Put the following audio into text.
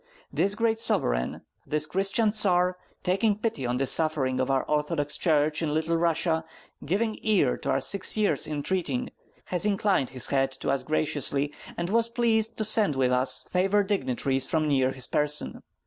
This great sovereign, this Christian Tsar, taking pity on the suffering of our Orthodox church in Little Russia, giving ear to our six years' entreating, has inclined his heart to us graciously, and was pleased to send with his favor dignitaries from near his person.